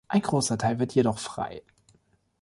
Ein großer Teil wird jedoch frei.